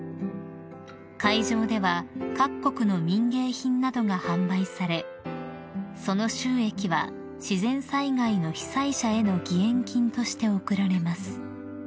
［会場では各国の民芸品などが販売されその収益は自然災害の被災者への義援金として送られます］